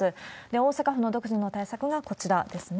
大阪府の独自の対策がこちらですね。